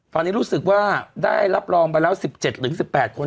ตอนนี้รู้สึกว่าได้รับรองไปแล้ว๑๗๑๘คน